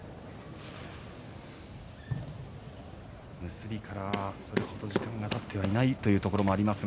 結びから、それ程時間がたっていないというところもあります。